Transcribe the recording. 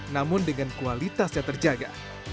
namun dengan kualitasnya terjaga